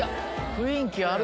雰囲気ある。